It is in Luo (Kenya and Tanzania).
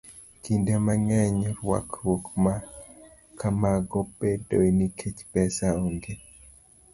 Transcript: Kinde mang'eny, ywaruok ma kamago bedoe nikech pesa onge,